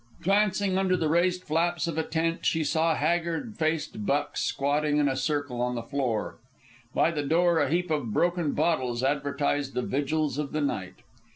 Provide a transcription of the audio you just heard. Glancing under the raised flaps of a tent, she saw haggard faced bucks squatting in a circle on the floor. By the door a heap of broken bottles advertised the vigils of the night.